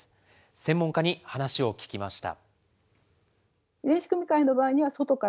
専門家に話を聞きました。